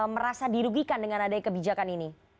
merasa dirugikan dengan adanya kebijakan ini